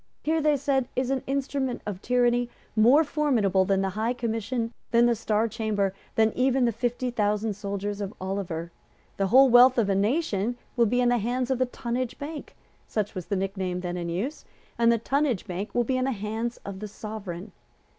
Here, they said, is an instrument of tyranny more formidable than the High Commission, than the Star Chamber, than even the fifty thousand soldiers of Oliver. The whole wealth of the nation will be in the hands of the Tonnage Bank, such was the nickname then in use; and the Tonnage Bank will be in the hands of the Sovereign.